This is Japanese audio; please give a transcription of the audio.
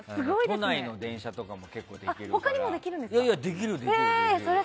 都内の電車とかも結構できるから。